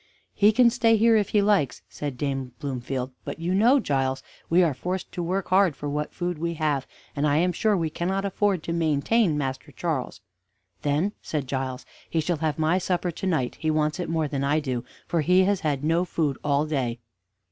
"He can stay here if he likes," said Dame Bloomfield; "but you know, Giles, we are forced to work hard for what food we have, and I am sure we cannot afford to maintain Master Charles." "Then," said Giles, "he shall have my supper to night: he wants it more than I do, for he has had no food all day."